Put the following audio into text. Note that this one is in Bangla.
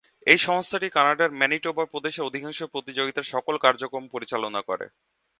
এই সংস্থাটি কানাডার ম্যানিটোবা প্রদেশের অধিকাংশ প্রতিযোগিতার সকল কার্যক্রম পরিচালনা করে।